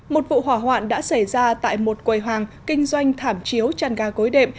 một vụ hỏa hoạn đã xảy ra tại một quầy hàng kinh doanh thảm chiếu tràn gà cối đệm